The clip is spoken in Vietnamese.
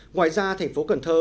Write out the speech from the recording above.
ngoài ra thành phố cần thơ